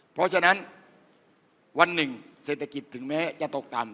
เพราะฉะนั้นวันหนึ่งเศรษฐกิจถึงแม้จะตกต่ำ